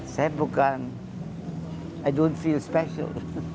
saya bukan i don't feel special